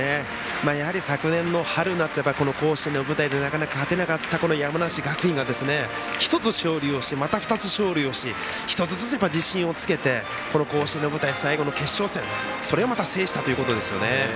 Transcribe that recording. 昨年の春夏甲子園の舞台でなかなか勝てなかった山梨学院が１つ勝利し、２つ勝利し１つずつ自信をつけて甲子園の舞台、最後の決勝それをまた制したということですよね。